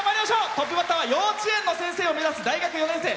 トップバッターは幼稚園の先生を目指す大学４年生。